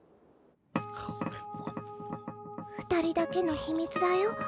２人だけの秘密だよ。